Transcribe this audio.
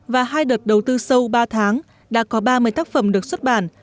và hai đợt đầu tư sâu ba tháng đã có ba mươi tác phẩm được xuất bản